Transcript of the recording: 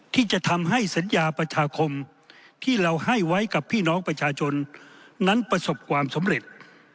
ที่จะทำให้สัญญาประชาคมที่เราให้ไว้กับพี่น้องประชาชนนั้นประสบความสำเร็จ